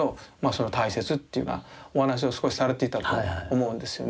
その大切っていうようなお話を少しされていたと思うんですよね。